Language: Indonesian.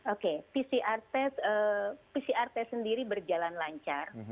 oke pcr test sendiri berjalan lancar